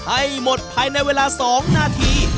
ให้หมดภายในเวลา๒นาที